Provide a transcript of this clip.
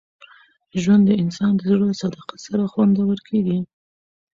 ژوند د انسان د زړه له صداقت سره خوندور کېږي.